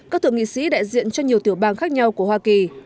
các thượng nghị sĩ đại diện cho nhiều tiểu bang khác nhau của hoa kỳ